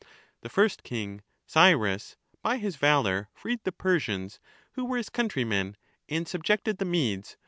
The first king, Cyrus, by his valour freed the Memxenus. Persians, who were his countrymen, and subjected the Medes, Socrates.